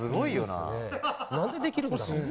なんでできるんだろう？